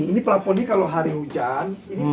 ini pelapon ini kalau hari hujan